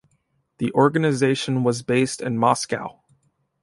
The organization was based in Moscow.